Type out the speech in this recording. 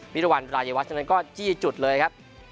วิรวรรณรายวัชนั้นก็จี้จุดเลยครับ